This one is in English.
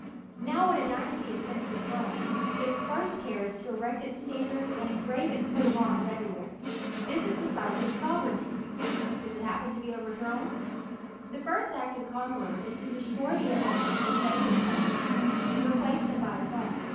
Now when a dynasty ascends the throne, its first care is to ereqt its standard and engrave its coat of arms everywhere. This is the sign of its sovereignty. Does it happen to In the Nineteenth Century. 309 be overthrown? The first act of the con queror is to destroy the emblems of the van quished dynasty, and replace them by his own.